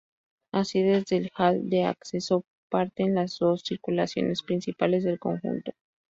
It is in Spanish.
Así, desde el hall de acceso parten las dos circulaciones principales del conjunto.